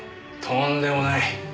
とんでもない！